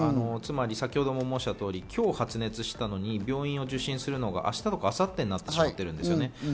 つまり先程も申した通り、今日発熱したのに病院を受診するのが明日とか明後日になってしまっているんですね。